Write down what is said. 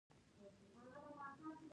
د شکردرې انګور ښه دي